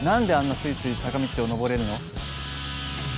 スイスイ坂道を上れるの？